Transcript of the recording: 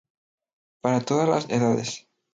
Para todas las edades